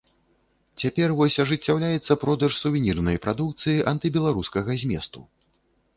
Цяпер вось ажыццяўляецца продаж сувенірнай прадукцыі антыбеларускага зместу.